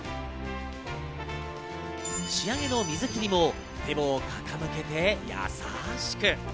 仕上げの水切りもてぼを傾けて優しく。